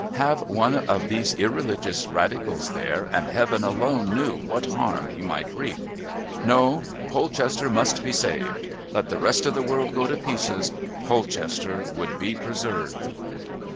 Have one of these irreligious radicals there, and Heaven alone knew what harm he might wreak. No, Polchester must be saved. Let the rest of the world go to pieces, Polchester would be preserved.